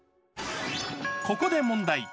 ここで問題。